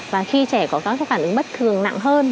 và khi trẻ có các phản ứng bất thường nặng hơn